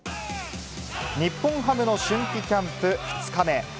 日本ハムの春季キャンプ２日目。